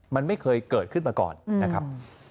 มันไม่เคยเกิดขึ้นมาก่อนนะครับ